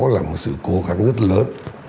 là một sự cố gắng rất lớn